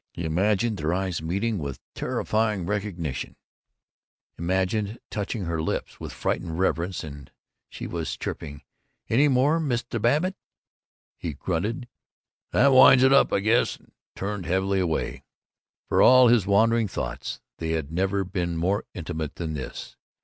He imagined their eyes meeting with terrifying recognition; imagined touching her lips with frightened reverence and She was chirping, "Any more, Mist' Babbitt?" He grunted, "That winds it up, I guess," and turned heavily away. For all his wandering thoughts, they had never been more intimate than this.